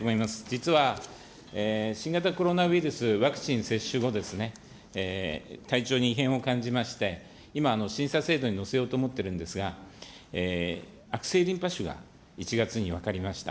実は、新型コロナウイルスワクチン接種後ですね、体調に異変を感じまして、今、審査制度にのせようと思ってるんですが、悪性リンパ腫が１月に分かりました。